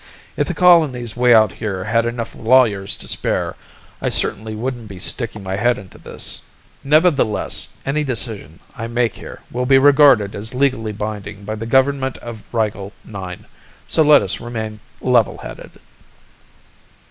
If the colonies way out here had enough lawyers to spare, I certainly wouldn't be sticking my head into this. Nevertheless, any decision I make here will be regarded as legally binding by the government of Rigel IX, so let us remain level headed."